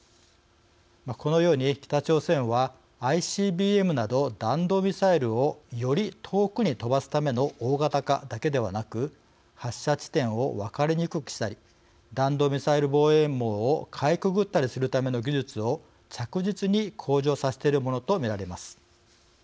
このように北朝鮮はＩＣＢＭなど弾道ミサイルをより遠くに飛ばすための大型化だけではなく発射地点を分かりにくくしたり弾道ミサイル防衛網をかいくぐったりするための技術を着実に向上させているものと見られます。